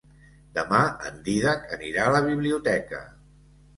Demà en Dídac anirà a la biblioteca.